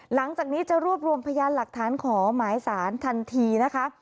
หลังจากนี้จะรวบรวมพยานหลักฐานขอหมายสารทันทีนะคะ